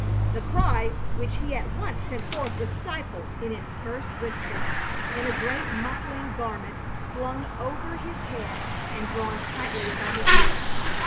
The cry which he at once sent forth was stifled in its first whisper in a great muffling garment flung over his head and drawn tightly about his neck.